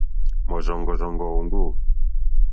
Mɔ̀rzɔ̀ŋɡɔ̀rzɔ̀ŋɡɔ̀ òŋɡô.